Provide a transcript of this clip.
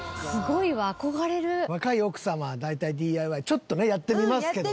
若い奥様は大体ＤＩＹちょっとねやってみますけどね。